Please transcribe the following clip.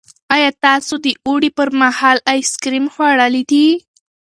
ایا تاسو د اوړي پر مهال آیس کریم خوړلي دي؟